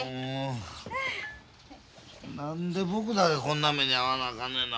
何で僕だけこんな目に遭わなあかんねんな